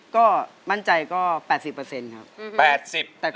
ก็มั่นใจก็๘๐เปอร์เซ็นต์ครับ